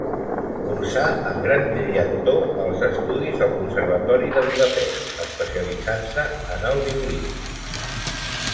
Cursà amb gran brillantor els estudis al Conservatori de Budapest, especialitzant-se en el violí.